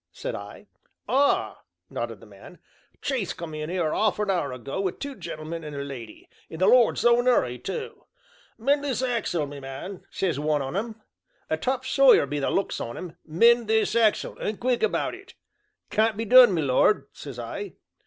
said I. "Ah!" nodded the man; "chaise come in 'ere 'arf an hour ago wi' two gentlemen and a lady, in the Lord's own 'urry too. 'Mend this axle, me man,' says one on 'em a top sawyer be the looks on 'im 'mend this axle, and quick about it.' 'Can't be done, my lord,' says I.